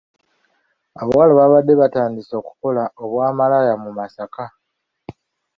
Abawala babadde batandise okukola obwamalaaya mu Masaka.